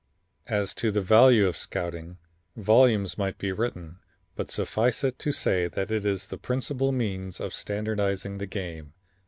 As to the value of scouting, volumes might be written, but suffice it to say that it is the principal means of standardizing the game.